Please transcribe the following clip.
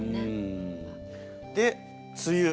で「梅雨」。